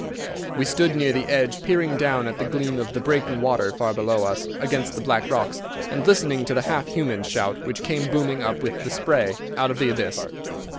We stood near the edge peering down at the gleam of the breaking water far below us against the black rocks, and listening to the half human shout which came booming up with the spray out of the abyss.